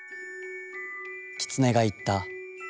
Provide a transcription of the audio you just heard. キツネが言った。